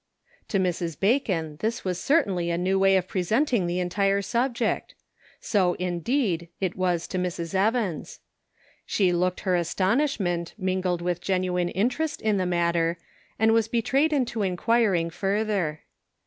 To Mrs. Bacon this was certainly a new way of presenting the entire subject. So, indeed, it was to Mrs. Evans. She looked her astonish ment, mingled with genuine interest in the matter, and was betrayed into inquiring fur ther.